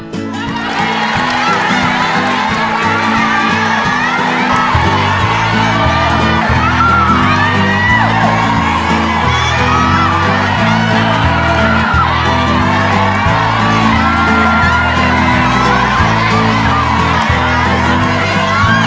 ขอเรื่องอีก